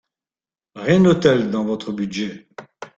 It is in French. Rien de tel dans votre budget